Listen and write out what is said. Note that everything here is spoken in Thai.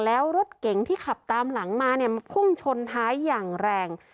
แล้วรถเก๋งที่ขับตามหลังมาเนี่ยพุ่งชนท้ายอย่างแรง